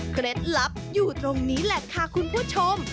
เคล็ดลับอยู่ตรงนี้แหละค่ะคุณผู้ชม